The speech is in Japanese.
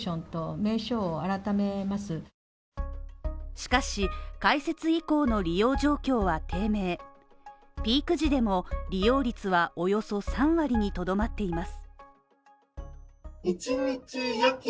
しかし開設以降の利用状況は低迷ピーク時でも利用率はおよそ３割にとどまっています